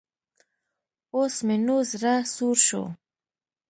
اوس مې نو زړۀ سوړ شو.